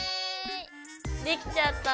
できちゃった！